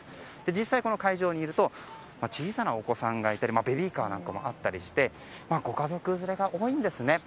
実際、この会場にいると小さなお子さんがいたりベビーカーなんかもあったりしてご家族連れが多いんですね。